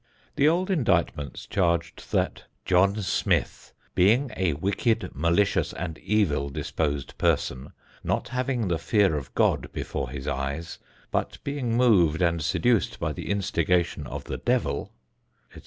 The old indictments charged that: "John Smith, being a wicked, malicious and evil disposed person, not having the fear of God before his eyes, but being moved and seduced by the instigation of the devil etc."